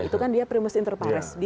itu kan dia primus inter pares